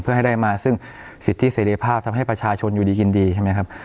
เพื่อให้ได้มาซึ่งสิทธิเสรีภาพทำให้ประชาชนอยู่ดียินดีใช่ไหมครับ